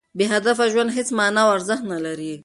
بې هدفه ژوند هېڅ مانا او ارزښت نه لري.